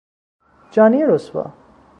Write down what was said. جانی رسوا